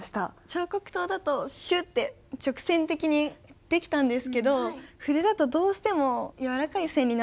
彫刻刀だとシュッって直線的にできたんですけど筆だとどうしても柔らかい線になってしまって。